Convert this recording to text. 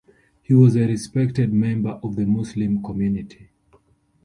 He was a respected member of the Muslim community.